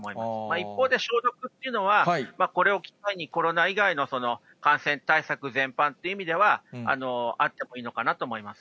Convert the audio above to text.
一方で消毒というのは、これを機会にコロナ以外の感染対策全般って意味では、あってもいいのかなと思います。